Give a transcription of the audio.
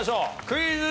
クイズ。